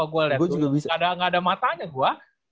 gak ada matanya gua